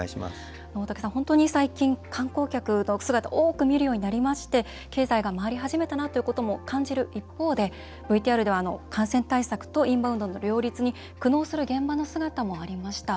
大竹さん、本当に最近観光客の姿を多く見るようになりまして経済が回り始めたなということも感じる一方でＶＴＲでは感染対策とインバウンドの両立に苦悩する現場の姿もありました。